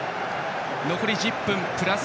残り１０分プラス